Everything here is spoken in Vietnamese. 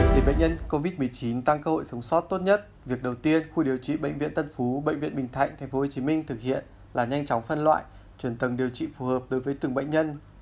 để bệnh nhân covid một mươi chín tăng cơ hội sống sót tốt nhất việc đầu tiên khu điều trị bệnh viện tân phú bệnh viện bình thạnh tp hcm thực hiện là nhanh chóng phân loại chuyển tầng điều trị phù hợp đối với từng bệnh nhân